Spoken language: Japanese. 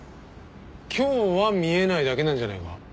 今日は見えないだけなんじゃねえか？